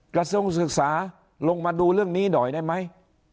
กระทรวงศึกษาลงมาดูเรื่องนี้หน่อยได้ไหม